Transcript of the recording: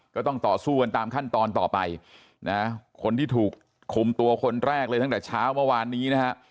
ก็ต้องต่อสู้กันตามขั้นตอนต่อไปนะคนที่ถูกคุมตัวคนแรกเลยตั้งแต่เช้าเมื่อวานนี้นะฮะ